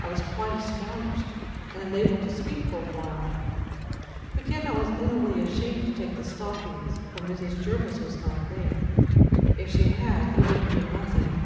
I was quite astonished, and unable to speak for a while; but yet I was inwardly ashamed to take the stockings; for Mrs. Jervis was not there: If she had, it would have been nothing.